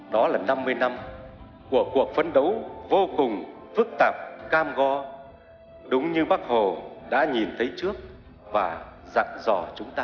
đó là năm mươi năm của cuộc phấn đấu vô cùng phức tạp cam go đúng như bác hồ đã nhìn thấy trước và dặn dò chúng ta